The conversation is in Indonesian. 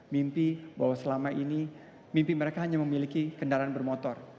mimpi bahwa selama ini mimpi mereka hanya memiliki kendaraan bermotor